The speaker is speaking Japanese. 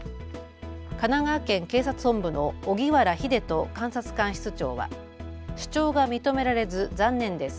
神奈川県警察本部の荻原英人監察官室長は主張が認められず残念です。